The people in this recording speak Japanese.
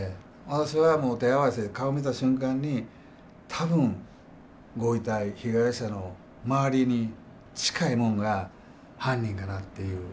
私はもう手合わせて顔見た瞬間に多分ご遺体被害者の周りに近いもんが犯人かなっていう。